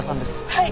はい！